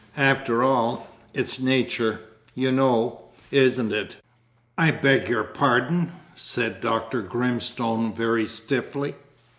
After all, it's nature, you know, isn't it?" "I beg your pardon?" said Dr. Grimstone very stiffly.